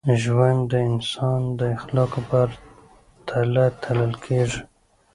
ژوند د انسان د اخلاقو په تله تلل کېږي.